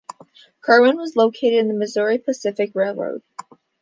Kirwin was located on the Missouri Pacific Railroad.